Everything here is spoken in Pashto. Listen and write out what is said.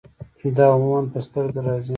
دا عموماً پۀ سترګه راځي